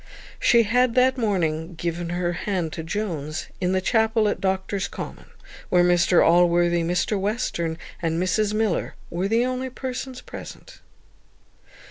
She had that morning given her hand to Jones, in the chapel at Doctors' Commons, where Mr Allworthy, Mr Western, and Mrs Miller, were the only persons present.